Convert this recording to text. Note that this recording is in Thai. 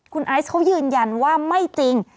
คุณไอซ์เขายืนยันว่าไม่จริง